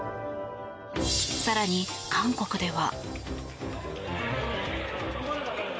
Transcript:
更に、韓国では。